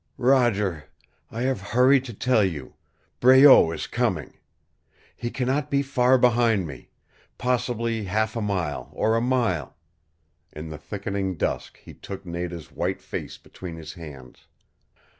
"Roger I have hurried to tell you Breault is coming. He cannot be far behind me. Possibly half a mile, or a mile " In the thickening dusk he took Nada's white face between his hands.